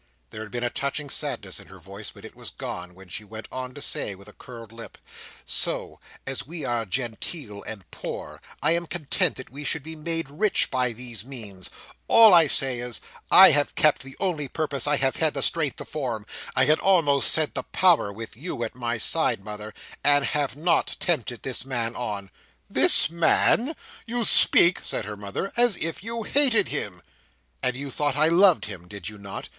There had been a touching sadness in her voice, but it was gone, when she went on to say, with a curled lip, "So, as we are genteel and poor, I am content that we should be made rich by these means; all I say is, I have kept the only purpose I have had the strength to form—I had almost said the power, with you at my side, Mother—and have not tempted this man on." "This man! You speak," said her mother, "as if you hated him." "And you thought I loved him, did you not?"